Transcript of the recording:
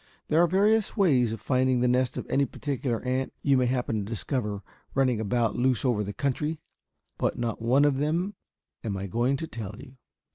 There are various ways of finding the nest of any particular ant you may happen to discover running about loose over the country, but not one of them am I going to tell you.